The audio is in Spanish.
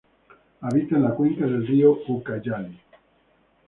Habita en la cuenca del río Ucayali.